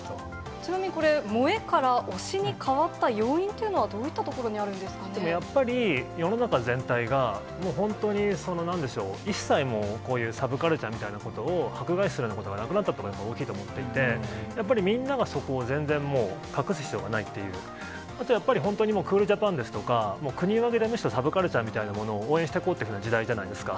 ちなみにこれ、萌えから推しに変わった要因というのは、どういったところにあるやっぱり、世の中全体が、本当に、なんでしょう、一切もう、こういうサブカルチャーみたいなことを迫害することがなくなったというのが大きいと思っていて、やっぱりみんながそこを全然もう、隠す必要がないっていう、あとやっぱり、本当クールジャパンですとか、国を挙げてサブカルチャーみたいなことを応援していきたいっていう、時代じゃないですか。